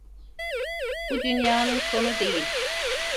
Bu dünyanın sonu değil.